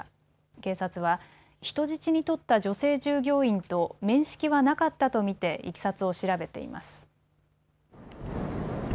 警察は人質に取った女性従業員と面識はなかったと見ていきさつを調べています。